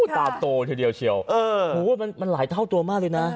ตาโตทีเดียวเชียวมันหลายเท่าตัวมากเลยนะ